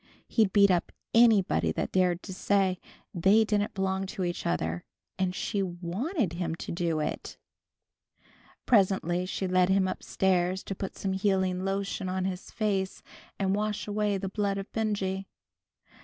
He'd beat up anybody that dared to say they didn't belong to each other, and she wanted him to do it! Presently she led him up stairs to put some healing lotion on his face, and wash away the blood of Benjy.